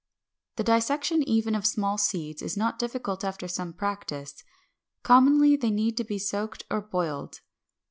The dissection even of small seeds is not difficult after some practice. Commonly they need to be soaked or boiled.